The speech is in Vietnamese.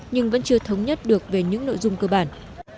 nhưng vẫn chưa thống nhất được về những nội dung cơ bản